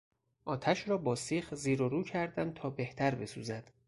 آتش را با سیخ زیر و رو کردم تا بهتر بسوزد.